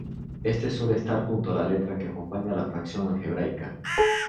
Este suele estar junto a la letra que acompaña a la fracción algebraica.